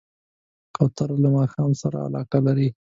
کوتره له ماښام سره علاقه لري.